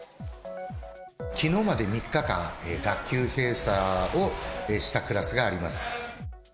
きのうまで３日間、学級閉鎖をしたクラスがあります。